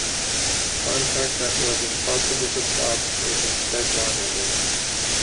Contact that was impossible to stop was instead monitored.